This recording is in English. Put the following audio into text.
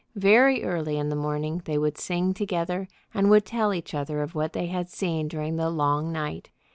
Very early in the morning they would sing together and would tell each other of what they had seen during the long night.